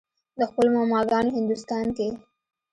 د خپلو ماما ګانو هندوستان کښې